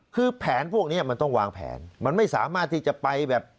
คือแผนพวกนี้มันต้องวางแผนมันไม่สามารถที่จะไปแบบ